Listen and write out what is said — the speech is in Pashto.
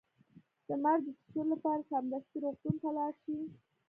د مار د چیچلو لپاره سمدستي روغتون ته لاړ شئ